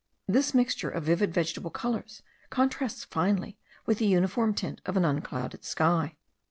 This mixture of vivid vegetable colours contrasts finely with the uniform tint of an unclouded sky.